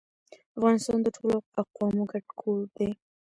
افغانستان د ټولو اقوامو ګډ کور دی